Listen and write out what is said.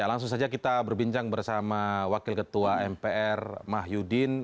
ya langsung saja kita berbincang bersama wakil ketua mpr mah yudin